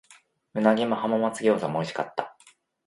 鰻も浜松餃子も美味しかった。